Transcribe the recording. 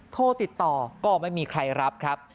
โทรติดต่อก็ไม่มีใครรับครับ